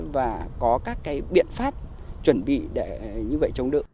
và có các biện pháp chuẩn bị để như vậy chống đựng